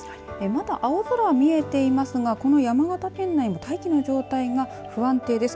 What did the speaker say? まだ青空は見えていますがこの山形県内の大気の状態が不安定です。